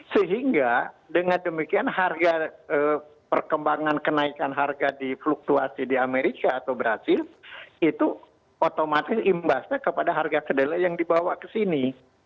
sehingga dengan demikian harga perkembangan kenaikan harga di fluktuasi di amerika atau brazil itu otomatis imbasnya kepada harga kedelai yang dibawa ke sini